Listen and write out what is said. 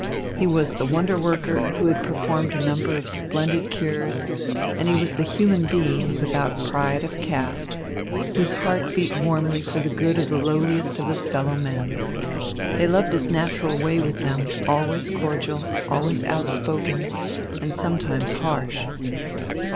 He was the wonder worker who had performed a number of splendid cures and he was the human being, without pride of caste, whose heart beat warmly for the good of the lowliest of his fellow men. They loved his natural way with them, always cordial, always outspoken, and sometimes harsh.